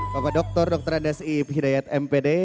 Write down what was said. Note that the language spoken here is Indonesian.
bapak dokter dokter andasi ip hidayat mpd